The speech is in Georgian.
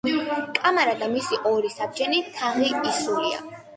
კამარა და მისი ორი საბჯენი თაღი ისრულია.